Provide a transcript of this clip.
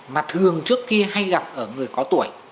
mà thường trước kia hay gặp ở người có tuổi